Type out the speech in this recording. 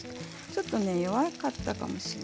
ちょっと火が弱かったかも。